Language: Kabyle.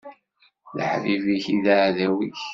D aḥbib-ik i d aɛdaw-ik.